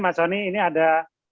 mas soni ini ada